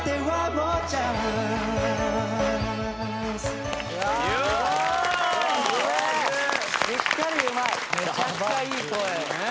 めちゃくちゃいい声。